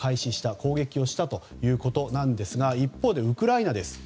攻撃を開始したということなんですが一方で、ウクライナです。